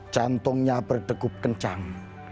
jantungnya berdegup kencang